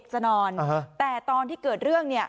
ที่นอนตรงเนี้ยเป็นเด็กเด็กจะนอนแต่ตอนที่เกิดเรื่องเนี้ย